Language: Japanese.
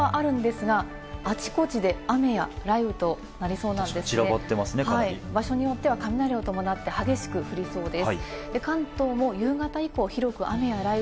このあと、九州から関東にかけて晴れ間はあるんですが、あちこちで雨や雷雨となりそうなんで、ちらばってますね、かなり場所によっては雷を伴って激しく降りそうです。